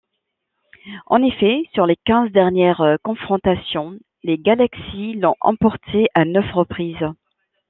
En effet sur les quinze dernières confrontations, les Galaxy l'ont emporté à neuf reprises.